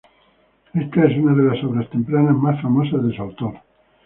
Esta es una de las obras tempranas más famosas de su autor.